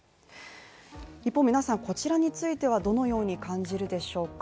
一方皆さんこちらについてはどのように感じるでしょうか？